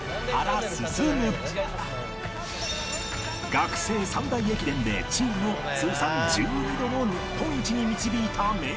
学生３大駅伝でチームを通算１２度も日本一に導いた名将